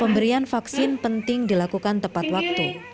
pemberian vaksin penting dilakukan tepat waktu